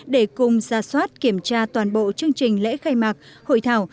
để cùng ra soát kiểm tra toàn bộ chương trình lễ khai mạc hội thảo